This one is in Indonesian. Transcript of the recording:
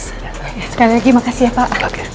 sekali lagi makasih ya pak